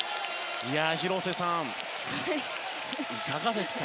広瀬さん、いかがですか？